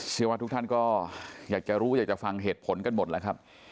เชื่อว่าทุกท่านก็อยากจะรู้อยากจะฟังเหตุผลกันหมดแล้วครับ